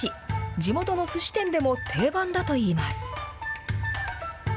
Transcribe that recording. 地元のすし店でも定番だといいます。